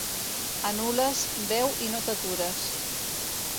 A Nules, beu i no t'atures.